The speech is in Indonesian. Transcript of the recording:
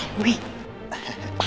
jadi kamu yang narik dewi